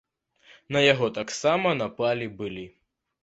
На яго таксама напалі былі.